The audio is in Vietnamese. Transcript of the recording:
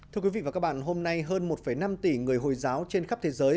thưa quý vị và các bạn hôm nay hơn một năm tỷ người hồi giáo trên khắp thế giới